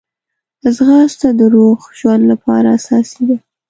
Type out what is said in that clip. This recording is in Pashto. ځغاسته د روغ ژوند لپاره اساسي ده